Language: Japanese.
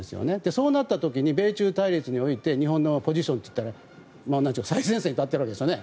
そうなった時に米中対立において日本のポジションといったら最前線に立っているわけですね。